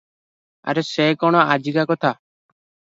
ଆରେ ସେ କ’ଣ ଆଜିକା କଥା?